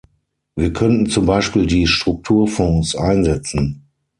Wir könnten zum Beispiel die Strukturfonds einsetzen.